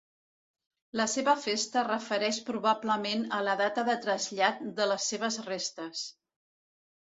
La seva festa refereix probablement a la data de trasllat de les seves restes.